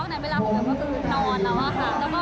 ไม่ได้เห็นภาพนาน